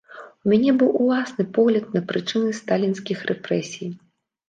У мяне быў уласны погляд на прычыны сталінскіх рэпрэсій.